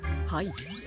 はい。